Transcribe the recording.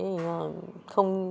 nhưng mà không